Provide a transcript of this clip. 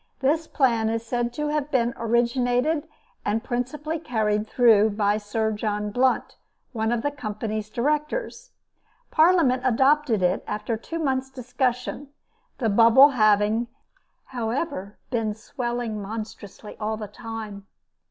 This plan is said to have been originated and principally carried through by Sir John Blunt, one of the Company's directors. Parliament adopted it after two months' discussion the Bubble having, however, been swelling monstrously all the time.